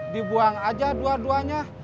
dibuang aja dua duanya